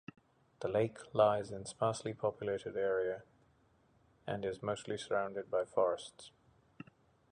The lake lies in sparsely populated area and is mostly surrounded by forests.